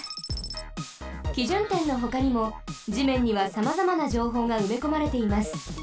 基準点のほかにも地面にはさまざまなじょうほうがうめこまれています。